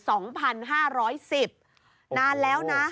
โอ้โฮนานแล้วนะ